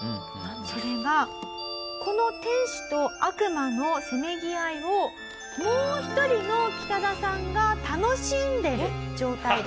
それがこの天使と悪魔のせめぎ合いをもう一人のキタダさんが楽しんでる状態です。